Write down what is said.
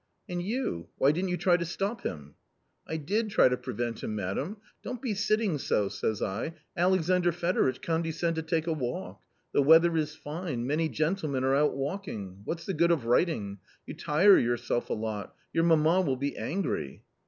" And you, why didn't you try to stop him ?"" I did try to prevent him, madam ;' don't be sitting so,' says I, ' Alexandr Fedoritch ; condescend to take a walk ; the weather is fine, many gentlemen are out walking. What's the good of writing ? you tire yourself a lot ; your mamma will be angry.'